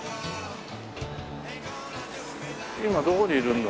今どこにいるんだ？